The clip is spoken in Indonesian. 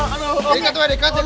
anak aneknya mau kesana jangan kesini